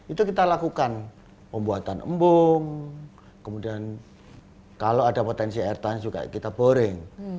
itu kita lakukan pembuatan embung kemudian kalau ada potensi air tanah juga kita boring